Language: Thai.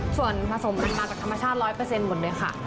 ส่วนผสมมันมาจากธรรมชาติ๑๐๐หมดเลยค่ะ